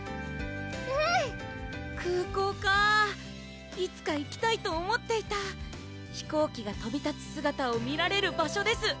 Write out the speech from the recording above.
うん空港かぁいつか行きたいと思っていた飛行機がとび立つ姿を見られる場所です！